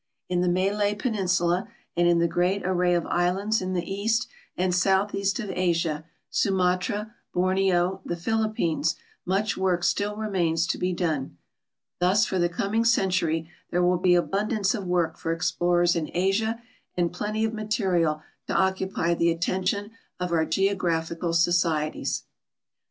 In the Malay ]3eninsula and in the great array of islands in the east and southeast of Asia ^Su matra, Borneo, the Philippines — much work still remains to be done. Thus for the coming century there will be abundance of THE UNMAPI'KD AREAS OX THE EARTH'S SURFACE 1.'55 work for explorers in Asia ami plenty i>f material to occupy the attention of our geographical societies.